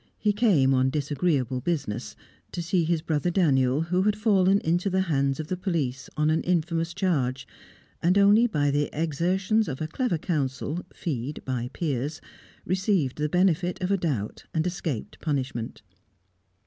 He came on disagreeable business to see his brother Daniel, who had fallen into the hands of the police on an infamous charge, and only by the exertions of clever counsel (feed by Piers) received the benefit of a doubt and escaped punishment.